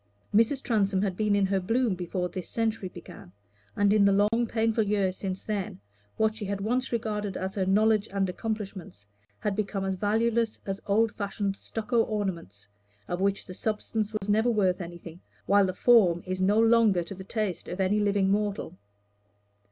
Mrs. Transome had been in her bloom before this century began, and in the long painful years since then, what she had once regarded as her knowledge and accomplishments had become as valueless as old fashioned stucco ornaments, of which the substance was never worth anything, while the form is no longer to the taste of any living mortal.